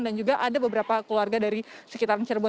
dan juga ada beberapa keluarga dari sebuah masjid